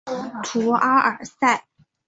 图阿尔塞。